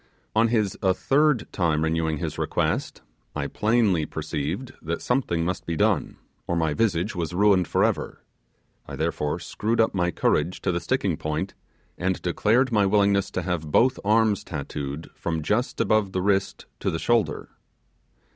On his a third time renewing his request, I plainly perceived that something must be done, or my visage was ruined for ever; I therefore screwed up my courage to the sticking point, and declared my willingness to have both arms tattooed from just above the wrist to the shoulder.